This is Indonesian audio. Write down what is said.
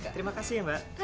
terima kasih ya mbak